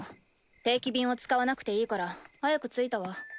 定期便を使わなくていいから早く着いたわ。